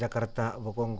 aku cuma tembak tidur terbang